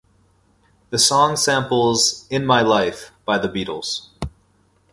The song samples "In My Life" by The Beatles.